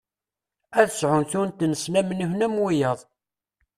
Ad sɛun tunet-nsen am nutni am wiyaḍ.